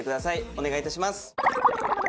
お願いいたします。